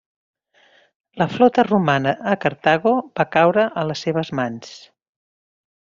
La flota romana a Cartago va caure a les seves mans.